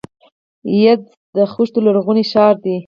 یزد د خښتو لرغونی ښار دی.